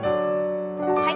はい。